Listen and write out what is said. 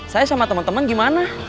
saya sama teman teman gimana